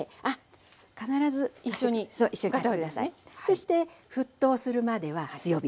そして沸騰するまでは強火。